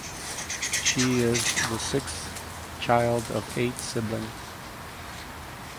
She is the sixth child of eight siblings.